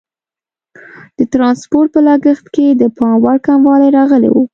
د ټرانسپورټ په لګښت کې د پام وړ کموالی راغلی وو.